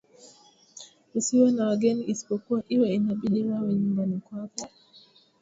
Usiwe na wageni isipokuwa iwe inabidi wawe nyumbani kwako